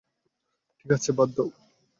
ঠিক আছে, বাদ দাও।